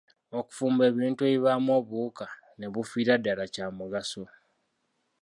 Okufumba ebintu ebibaamu obuwuka ne bufiira ddala kya mugaso.